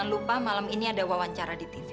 lupa malam ini ada wawancara di tv